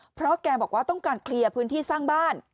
เพราะแกบอกว่าต้องการเคลียร์พื้นที่สร้างบ้าน